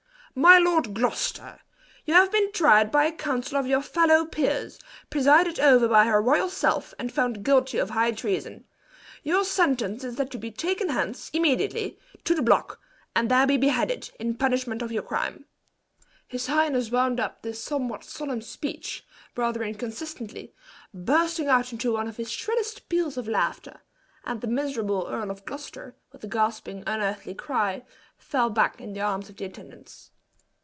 "My Lord of Gloucester, you have been tried by a council of your fellow peers, presided over by her royal self, and found guilty of high treason. Your sentence is that you be taken hence, immediately, to the block, and there be beheaded, in punishment of your crime." His highness wound up this somewhat solemn speech, rather inconsistently, bursting out into one of his shrillest peals of laughter; and the miserable Earl of Gloucester, with a gasping, unearthly cry, fell back in the arms of the attendants.